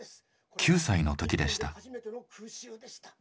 ９歳の時でした。